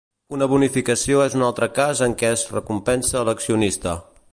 Una bonificació és un altre cas en què es recompensa a l'accionista.